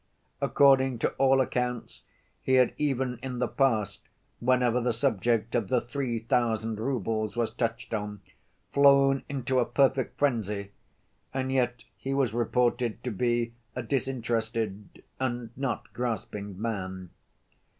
According to all accounts, he had even in the past, whenever the subject of the three thousand roubles was touched on, flown into a perfect frenzy, and yet he was reported to be a disinterested and not grasping man.